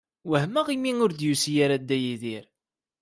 Wehmeɣ imi ur d-yusi ara Dda Yidir.